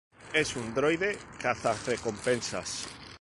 Es un "droide" cazarrecompensas.